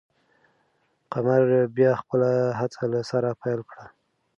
قمري بیا خپله هڅه له سره پیل کړه.